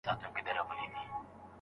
ځه د جهاني وروستي خزان ته غزل ولیکو